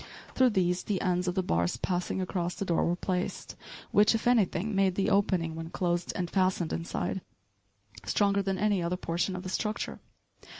Through these the ends of the bars passing across the door were placed, which, if anything, made the opening, when closed and fastened inside, stronger than any other portion of the structure.